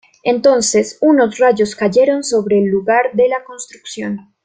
Entonces, unos rayos cayeron sobre el lugar de la construcción.